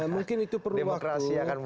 mungkin itu perlu waktu